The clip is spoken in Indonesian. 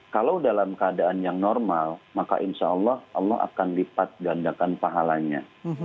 kalau dalam keadaan yang normal maka insya allah allah akan lipat gandakan pahalanya